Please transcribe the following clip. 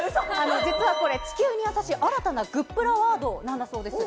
実はこれ、地球にやさしい、新たなグップラワードなんだそうです。